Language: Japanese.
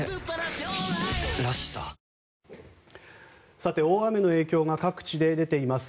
さて、大雨の影響が各地で出ています。